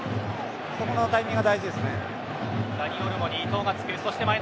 そこのタイミングが大事です。